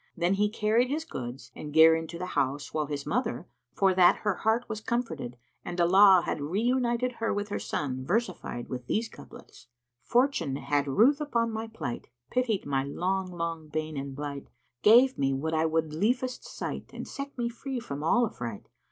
Then he carried his goods and gear into the house, whilst his mother, for that her heart was comforted and Allah had reunited her with her son versified with these couplets, "Fortune had ruth upon my plight * Pitied my long long bane and blight; Gave me what I would liefest sight; * And set me free from all afright.